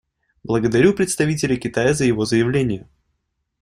Благодарю представителя Китая за его заявление.